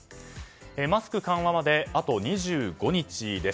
マスク緩和まで、あと２５日です。